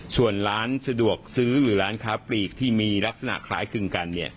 ส่วนร้านสะดวกซื้อหรือร้านค้าปลีกที่มีลักษณะคล้ายคลึงกัน